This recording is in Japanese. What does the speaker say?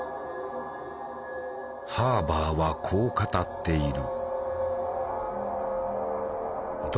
ハーバーはこう語っている。